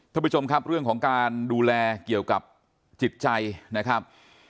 ท่านผู้ชมครับเรื่องของการดูแลเกี่ยวกับจิตใจนะครับ